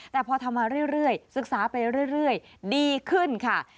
แต่พอทำมาเรื่อยศึกษาไปเรื่อยดีขึ้นค่ะ